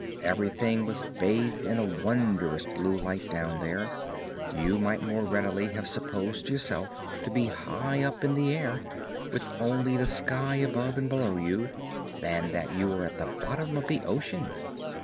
Everything was bathed in a wondrous blue light down there; you might more readily have supposed yourself to be high up in the air, with only the sky above and below you, than that you were at the bottom of the ocean.